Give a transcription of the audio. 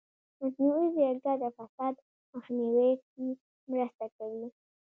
مصنوعي ځیرکتیا د فساد مخنیوي کې مرسته کوي.